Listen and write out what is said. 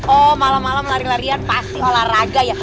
oh malam malam lari larian pasti olahraga ya